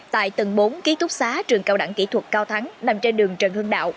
tại tầng bốn ký túc xá trường cao đẳng kỹ thuật cao thắng nằm trên đường trần hương đạo